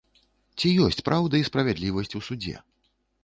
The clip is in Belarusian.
Ці ёсць праўда і справядлівасць у судзе?